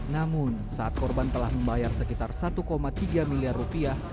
namun saat korban telah membayar sekitar satu tiga miliar rupiah